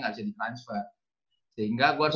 gak bisa di transfer sehingga gue harus